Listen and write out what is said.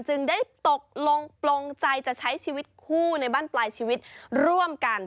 จึงได้ตกลงปลงใจจะใช้ชีวิตคู่ในบ้านปลายชีวิตร่วมกัน